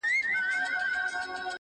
مجاهد د خداى لپاره دى لوېــدلى~